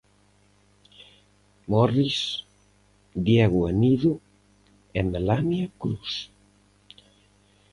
'Morris', Diego Anido e Melania Cruz.